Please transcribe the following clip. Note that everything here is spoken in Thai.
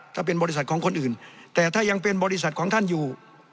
ถ้าเป็นบริษัทของคนอื่นแต่ถ้ายังเป็นบริษัทของท่านอยู่